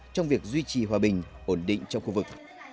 trong việc duy trì hòa bình ổn định trong khu vực